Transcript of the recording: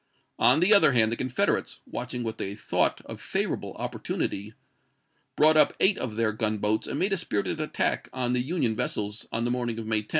On the other hand, the Confederates, watching what they thought a favorable opportunity, brought up eight of their gunboats, and made a spirited attack on the Union vessels on the morning of May 10.